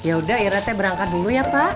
yaudah irate berangkat dulu ya pak